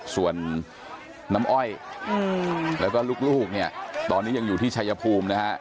ส่วนน้ำอ้อยแล้วก็ลูกตอนนี้ยังอยู่ที่ชายภูมิ